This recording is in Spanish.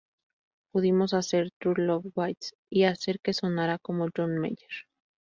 Pudimos hacer 'True Love Waits' y hacer que sonara como John Mayer.